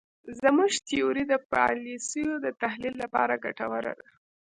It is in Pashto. زموږ تیوري د پالیسیو د تحلیل لپاره ګټوره ده.